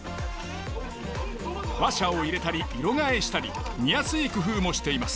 話者を入れたり色替えしたり見やすい工夫もしています。